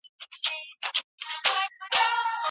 ولي مدام هڅاند د وړ کس په پرتله لاره اسانه کوي؟